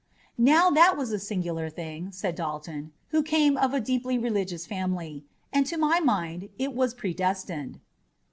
"Now, that was a singular thing," said Dalton, who came of a deeply religious family, "and to my mind it was predestined."